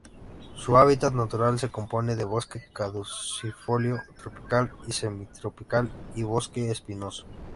Su hábitat natural se compone de bosque caducifolio tropical y semitropical y bosque espinoso.